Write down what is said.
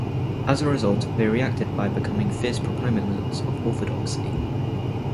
As a result, they reacted by becoming fierce proponents of Orthodoxy.